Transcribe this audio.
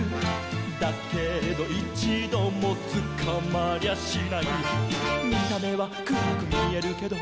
「だけどいちどもつかまりゃしない」「見た目はくらくみえるけど」